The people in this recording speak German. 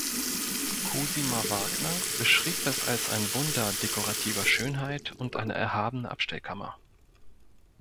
Cosima Wagner beschrieb es als ein Wunder dekorativer Schönheit und eine erhabene Abstellkammer.